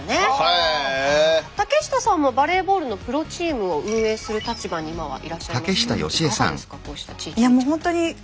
竹下さんもバレーボールのプロチームを運営する立場に今はいらっしゃいますけれどいかがですか？